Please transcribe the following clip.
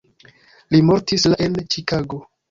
Li mortis la en Ĉikago.